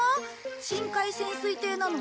深海潜水艇なのに？